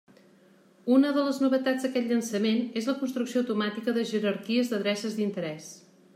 Una de les novetats d'aquest llançament és la construcció automàtica de jerarquies d'adreces d'interès.